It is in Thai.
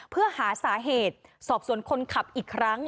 เพื่อหาสาเหตุสอบสวนคนขับอีกครั้ง